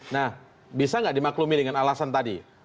nah bisa nggak dimaklumi dengan alasan tadi